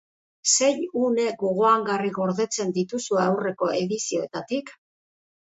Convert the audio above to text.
Zein une gogoangarri gordetzen dituzue aurreko edizioetatik?